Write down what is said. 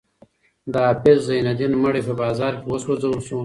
د حافظ زین الدین مړی په بازار کې وسوځول شو.